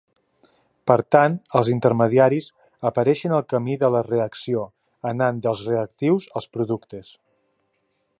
Per tant, els intermediaris apareixen al camí de la reacció anant dels reactius als productes.